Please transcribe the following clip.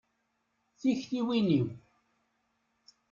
Tiktiwin-iw.